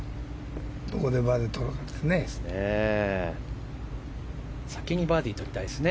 どこでバーディーとるかですね。